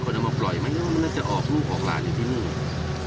คนเอามาปล่อยไหมมันน่าจะออกร้านอยู่ที่นี่